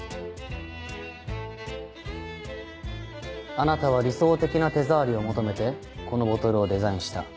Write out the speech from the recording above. あなたは理想的な手触りを求めてこのボトルをデザインした。